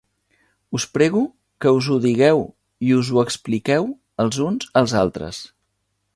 Us prego que us ho digueu i us ho expliqueu els uns als altres.